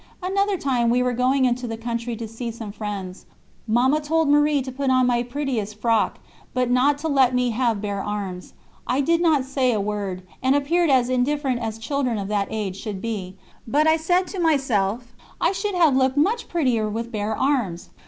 Another time we were going into the country to see some friends. Mamma told Marie to put on my prettiest frock, but not to let me have bare arms. I did not say a word, and appeared as indifferent as children of that age should be, but I said to myself, "I should have looked much prettier with bare arms."